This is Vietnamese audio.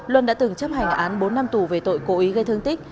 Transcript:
luân đã từng chấp hành án bốn năm tù về tội cố ý gây thương tích